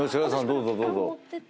どうぞどうぞ。